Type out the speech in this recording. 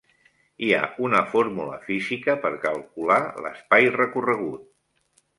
Hi ha una fórmula física per calcular l'espai recorregut.